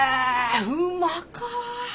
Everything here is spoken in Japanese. うまかぁ。